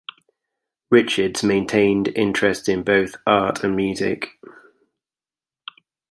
Richards' maintained interests in both art and music.